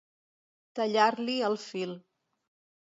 Tallar-li el fil.